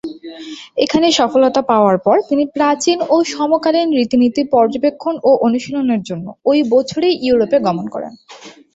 এখানে সফলতা পাওয়ার পর তিনি প্রাচীন ও সমকালীন রীতিনীতি পর্যবেক্ষণ ও অনুশীলনের জন্য ওই বছরেই ইউরোপ গমন করেন।